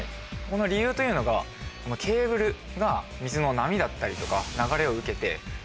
この理由というのがケーブルが水の波だったりとか。